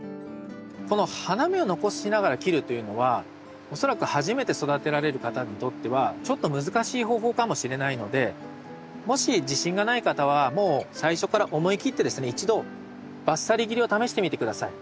この花芽を残しながら切るというのは恐らく初めて育てられる方にとってはちょっと難しい方法かもしれないのでもし自信がない方はもう最初から思い切ってですね一度バッサリ切りを試してみて下さい。